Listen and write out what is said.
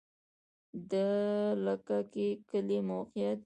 د لکه کی کلی موقعیت